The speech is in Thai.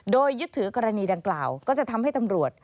โดยยึดถือกรณีดังกล่าวก็จะทำให้ตำรวจ